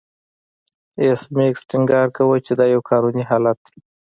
ایس میکس ټینګار کاوه چې دا یو قانوني حالت دی